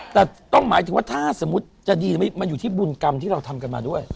แต่ต้องหมายถึงว่าถ้าสมมุติจะดีมันอยู่ที่บุญกรรมที่เราทำกันมาด้วย